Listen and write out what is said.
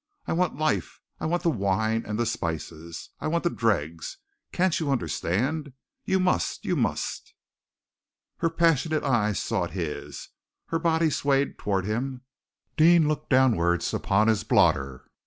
I want life! I want the wine and the spices! I want the dregs! Can't you understand? You must! you must!" Her passionate eyes sought his, her body swayed towards him. Deane looked downwards upon his blotter.